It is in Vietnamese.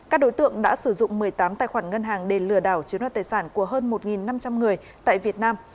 các đối tượng đã sử dụng một mươi tám tài khoản ngân hàng để lừa đảo chiếm đoạt tài sản của hơn một năm trăm linh người tại việt nam